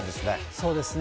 そうですね。